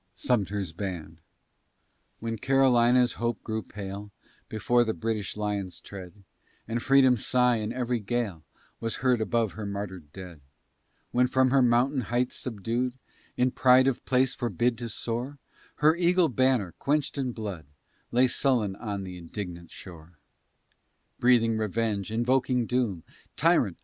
SUMTER'S BAND When Carolina's hope grew pale Before the British lion's tread, And Freedom's sigh in every gale Was heard above her martyr'd dead; When from her mountain heights subdued, In pride of place forbid to soar, Her Eagle banner, quench'd in blood, Lay sullen on the indignant shore, Breathing revenge, invoking doom, Tyrant!